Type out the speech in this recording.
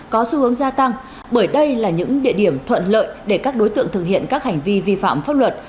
có xu hướng gia tăng bởi đây là những địa điểm thuận lợi để các đối tượng thực hiện các hành vi vi phạm pháp luật